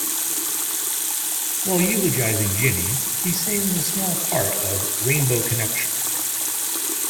While eulogising Ginny, he sings a small part of "Rainbow Connection".